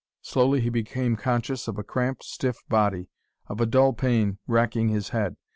Slowly he became conscious of a cramped, stiff body, of a dull pain racking his head.